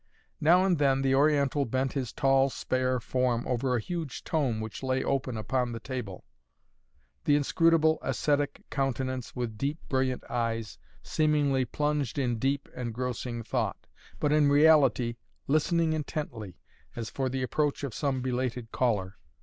Now and then the Oriental bent his tall, spare form over a huge tome which lay open upon the table, the inscrutable, ascetic countenance with the deep, brilliant eyes seemingly plunged in deep, engrossing thought, but in reality listening intently, as for the approach of some belated caller.